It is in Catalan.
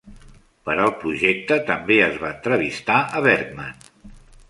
Per al projecte també es va entrevistar a Bergman.